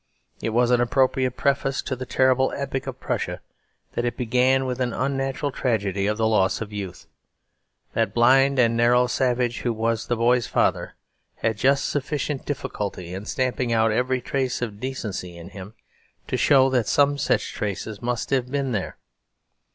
It was an appropriate preface to the terrible epic of Prussia that it began with an unnatural tragedy of the loss of youth. That blind and narrow savage who was the boy's father had just sufficient difficulty in stamping out every trace of decency in him, to show that some such traces must have been there.